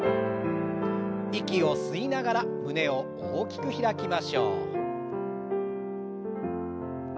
息を吸いながら胸を大きく開きましょう。